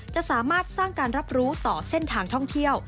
จะสามารถสร้างการรับรู้ต่อเส้นทางท่องเที่ยว